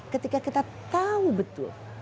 ketika kita tahu betul